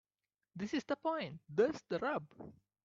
this is the point. There's the rub